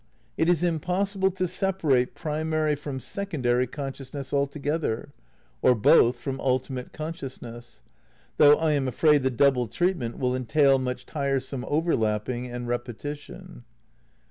It is impossible to separate primary from secondary con sciousness altogether, or both from ultimate conscious ness ; though I am afraid the double treatment wUl en tail much tiresome overlapping and repetition.